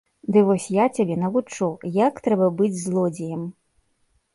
Ды вось я цябе навучу, як трэба быць злодзеем!